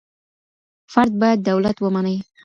فرد بايد دولت ومني.